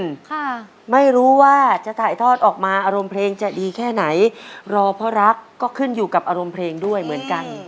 ค่ะไม่รู้ว่าจะถ่ายทอดออกมาอารมณ์เพลงจะดีแค่ไหนรอเพราะรักก็ขึ้นอยู่กับอารมณ์เพลงด้วยเหมือนกัน